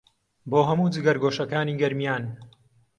بۆ هەموو جگەرگۆشەکانی گەرمیان